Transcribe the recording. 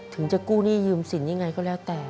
จะกู้หนี้ยืมสินยังไงก็แล้วแต่